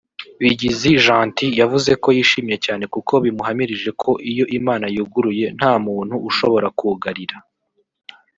Bigizi Gentil yavuze ko yishimye cyane kuko bimuhamirije ko iyo Imana yuguruye nta muntu ushobora kugarira